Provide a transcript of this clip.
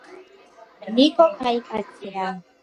ნიკო კაი კაცია